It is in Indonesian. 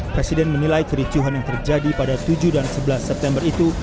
presiden menilai kericuhan yang terjadi pada tujuh dan sebelas september itu